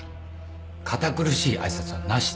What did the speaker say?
堅苦しい挨拶はなしで。